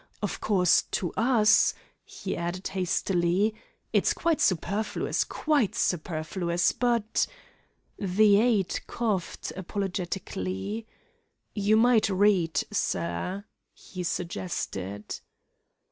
Of course, to us," he added hastily, "it's quite superfluous quite superfluous, but " The aide coughed apologetically. "You might read, sir," he suggested.